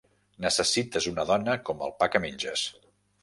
Necessites una dona com el pa que menges.